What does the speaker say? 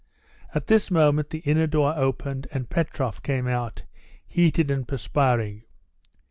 At this moment the inner door opened, and Petrov came out, heated and perspiring.